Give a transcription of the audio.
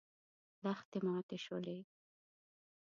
لښتې ماتې شولې.